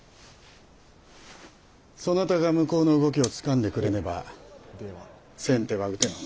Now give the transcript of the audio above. そなたが向こうの動きをつかんでくれねば先手は打てなんだ。